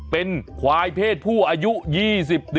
เป็นขวายเพศผู้อายุ๒๐เดือน